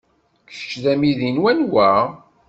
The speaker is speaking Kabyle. Kečč d amidi n wanwa?